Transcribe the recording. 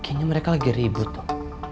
kayaknya mereka lagi ribut tuh